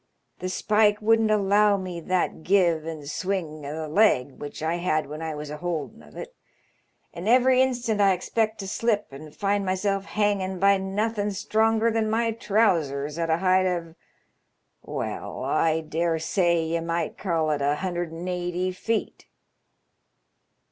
The spike wouldn't allow me that give and swing of th' leg which I had when I was a holding of it, and every instant 142 ^LONGSBOBEMAirS TABN3, I expected to slip and find myself hanging by nothin' stronger than my trousers at a height of — well, I dare say ye might call it a hundred and eighty feet."